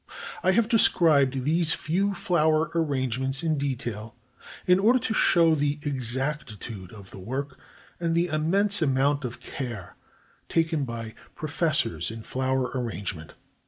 I have described these few flower arrangements in detail in order to show the exactitude of the work and the immense amount of care taken by professors in flower arrangement.